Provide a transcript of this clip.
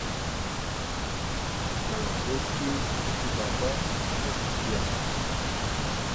Lewandowski ji tîma xwe veqetiya.